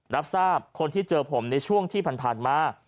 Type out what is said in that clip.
รับทราบคนที่เจอผมในช่วงที่ผ่านมา